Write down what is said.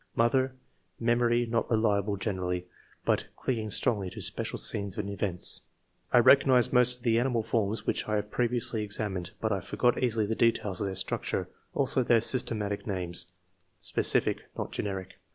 Mother — Memory not reliable generally, but clinging strongly to special scenes and events.'* 2. "I recognize most of the animal forms which I have previously examined, but I forget easily the details of their structure, also their systematic names (specific, not generic).